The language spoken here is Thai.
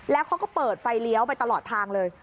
แล้วเขาก็เปิดไฟเลี้ยวไปตลอดทางเลย